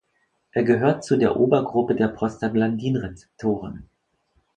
Er gehört zu der Obergruppe der Prostaglandin-Rezeptoren.